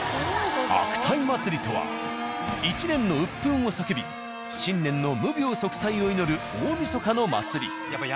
悪口祭りとは一年の鬱憤を叫び新年の無病息災を祈る大みそかの祭り。